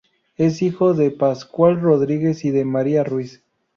Es hijo de Pascual Rodríguez y de María Ruiz.